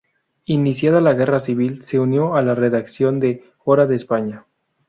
Iniciada la guerra civil se unió a la redacción de "Hora de España".